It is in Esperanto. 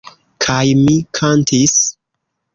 Kaj mi kantis.